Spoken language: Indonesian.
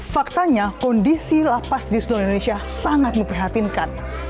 faktanya kondisi lapas di seluruh indonesia sangat memprihatinkan